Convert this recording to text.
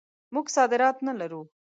موږ صادرات نه لرو.